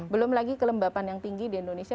belum lagi kelembapan yang tinggi di indonesia